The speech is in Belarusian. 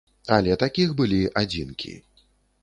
Але такіх былі адзінкі.